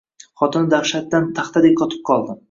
Xotini dahshatdan taxtadek qotib qoldi